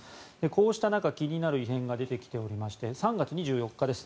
こうした中、気になる異変が出てきておりまして３月２４日です。